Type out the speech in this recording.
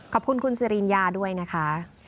ขอบคุณคุณสิริญญาด้วยนะคะ